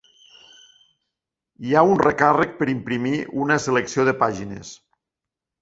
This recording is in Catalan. Hi ha un recàrrec per imprimir una selecció de pàgines.